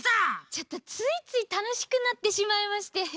ちょっとついついたのしくなってしまいまして。